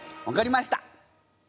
分かりました。